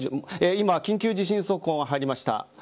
今、緊急地震速報が入りました。